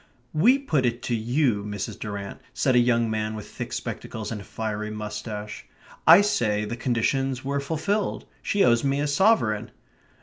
"We put it to you, Mrs. Durrant," said a young man with thick spectacles and a fiery moustache. "I say the conditions were fulfilled. She owes me a sovereign."